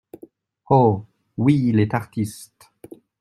Oh ! oui, il est artiste !